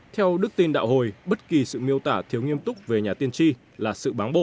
theo đức tin đạo hồi bất kỳ sự miêu tả thiếu nghiêm túc về nhà tiên tri là sự bán bổ